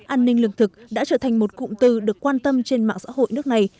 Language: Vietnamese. an ninh lương thực đã trở thành một cụm từ được quan tâm trên mạng xã hội nước này